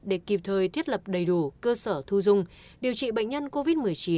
để kịp thời thiết lập đầy đủ cơ sở thu dung điều trị bệnh nhân covid một mươi chín